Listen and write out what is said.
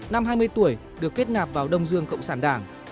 năm hai mươi tuổi được kết nạp vào đông dương cộng sản đảng